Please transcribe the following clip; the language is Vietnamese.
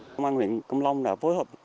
công an huyện con plong đã phối hợp